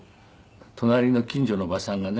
隣の近所のおばさんがね